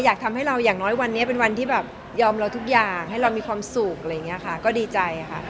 อยากให้เราอย่างน้อยวันนี้เป็นวันที่แบบยอมเราทุกอย่างให้เรามีความสุขอะไรอย่างนี้ค่ะก็ดีใจค่ะ